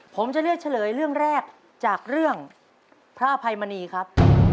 ผมจะเลือกเฉลยเรื่องแรกจากเรื่องพระอภัยมณีครับ